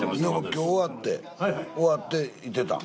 今日終わって終わっていてたん？